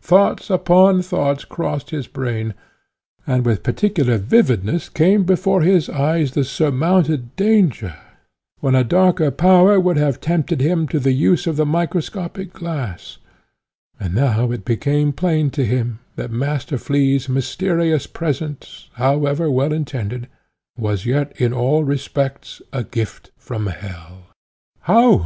Thoughts upon thoughts crossed his brain, and with peculiar vividness came before his eyes the surmounted danger, when a darker power would have tempted him to the use of the microscopic glass; and now it became plain to him that Master Flea's mysterious present, however well intended, was yet in all respects a gift from hell. "How!"